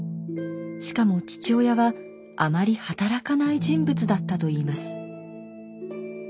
しかも父親はあまり働かない人物だったといいます。